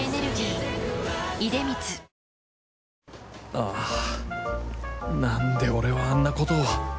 あぁなんで俺はあんなことを。